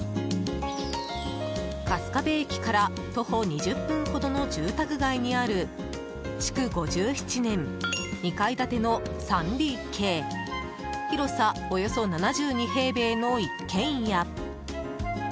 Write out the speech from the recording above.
春日部駅から徒歩２０分ほどの住宅街にある築５７年、２階建ての３ＤＫ広さおよそ７２平米の一軒家。